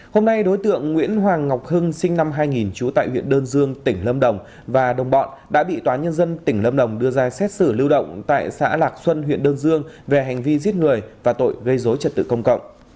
hôm nay đối tượng nguyễn hoàng ngọc hưng sinh năm hai nghìn trú tại huyện đơn dương tỉnh lâm đồng và đồng bọn đã bị tòa nhân dân tỉnh lâm đồng đưa ra xét xử lưu động tại xã lạc xuân huyện đơn dương về hành vi giết người và tội gây dối trật tự công cộng